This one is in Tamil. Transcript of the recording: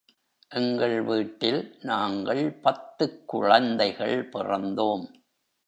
எங்கள் வீட்டில் நாங்கள் பத்துக் குழந்தைகள் பிறந்தோம்.